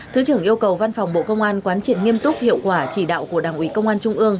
thứ trưởng yêu cầu văn phòng bộ công an quán triệt nghiêm túc hiệu quả chỉ đạo của đảng ủy công an trung ương